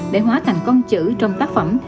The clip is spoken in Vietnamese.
để hóa thành con chữ trong tác phẩm